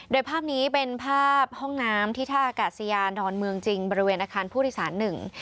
โดยภาพนี้เป็นภาพห้องน้ำที่ท่าอากาศยานดอนเมืองจริงบริเวณอาคารผู้โดยสารหนึ่ง